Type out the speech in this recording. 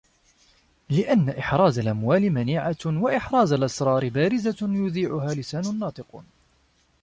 لِأَنَّ إحْرَازَ الْأَمْوَالِ مَنِيعَةٌ وَإِحْرَازَ الْأَسْرَارِ بَارِزَةٌ يُذِيعُهَا لِسَانٌ نَاطِقٌ